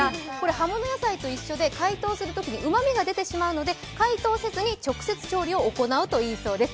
葉物野菜と一緒で解凍するときに、うまみが出てしまうので解凍せずに直接調理を行うといいそうです。